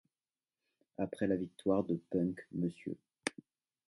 Après la victoire de Punk, Mr.